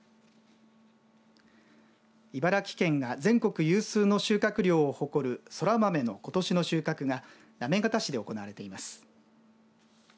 茨城県が全国有数の収穫量を誇るそら豆のことしの収穫が行方市で行われています。